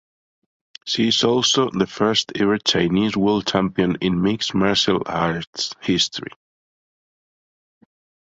She is also the first ever Chinese World Champion in mixed martial arts history.